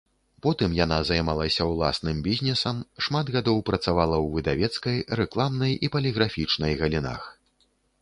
Потым яна займалася ўласным бізнесам, шмат гадоў працавала ў выдавецкай, рэкламнай і паліграфічнай галінах.